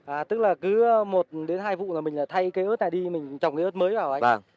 à tức là cứ một hai vụ là mình thay cây ớt này đi mình trồng cây ớt mới vào anh